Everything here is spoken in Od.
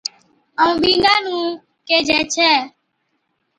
ائُون بِينڏا نُون ڪيهجَي ڇَي